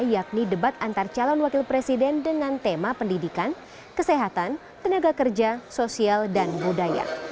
yakni debat antar calon wakil presiden dengan tema pendidikan kesehatan tenaga kerja sosial dan budaya